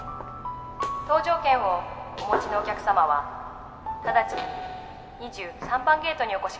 「搭乗券をお持ちのお客様は直ちに２３番ゲートにお越しください」